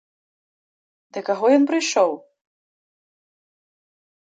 Да каго ён прыйшоў?